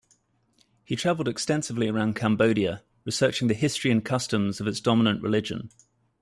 He traveled extensively around Cambodia, researching the history and customs of its dominant religion.